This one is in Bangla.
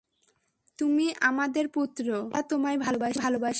তুমি আমাদের পুত্র, আমরা তোমায় ভালোবাসি।